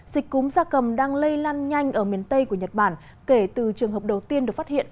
dịch cúm gia cầm đang lây lan nhanh ở miền tây của nhật bản kể từ trường hợp đầu tiên được phát hiện